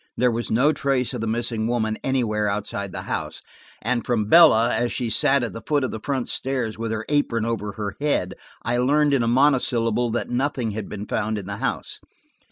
There was no trace of the missing woman anywhere outside the house, and from Bella, as she sat at the foot of the front stairs with her apron over her head, I learned in a monosyllable that nothing had been found in the house.